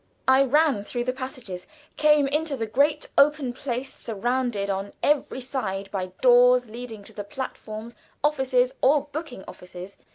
I ran through the passages, came into the great open place surrounded on every side by doors leading to the platforms, offices, or booking offices.